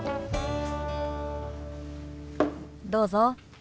どうぞ。